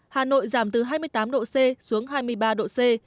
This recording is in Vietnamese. hà nội giảm từ hai mươi tám độ c xuống hai mươi ba độ c